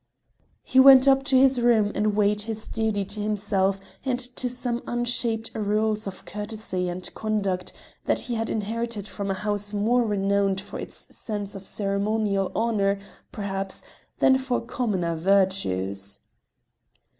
He went up to his room and weighed his duty to himself and to some unshaped rules of courtesy and conduct that he had inherited from a house more renowned for its sense of ceremonial honour, perhaps, than for commoner virtues.